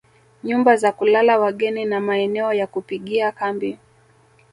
Nyumba za kulala wageni na maeneo ya kupigia kambi